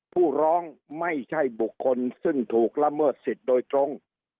ผู้ร้องไม่ใช่บุคคลซึ่งถูกละเมิดสิทธิ์โดยตรง